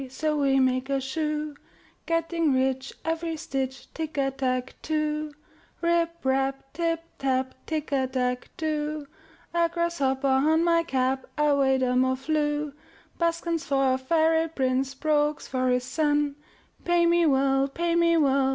So we make a shoe; Getting rich every stitch, Tick a tack too! Rip mp, tip tap, Tick a tack too ! (A grasshopper on my cap! Away the moth flew!) Buskins for a Fairy Prince, Brogues for his son, — Pay me well, pay me well.